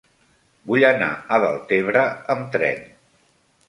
Vull anar a Deltebre amb tren.